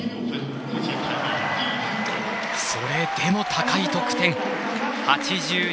それでも高い得点８２．１６。